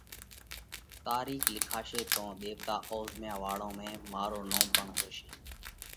تارِيخ لکاشي تو ۮيوَتا اوزهميا واۯون ۾ مارو نوم پڻ هوشي۔